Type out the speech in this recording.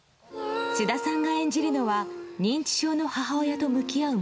菅田さんが演じるのは認知症の母親と向き合う